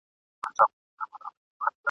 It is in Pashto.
نه یې ږغ سوای تر شپانه ور رسولای !.